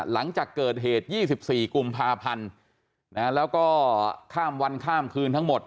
หลังจากเกิดเหตุ๒๔กุมภาพันธ์แล้วก็ข้ามวันข้ามคืนทั้งหมด